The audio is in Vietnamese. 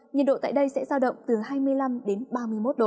nhiệt độ tại đây sẽ giao động từ hai mươi năm đến ba mươi một độ